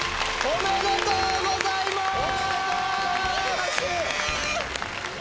おめでとうございます！